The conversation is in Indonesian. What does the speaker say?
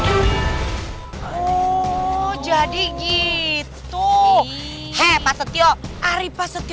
udah ke ceritanya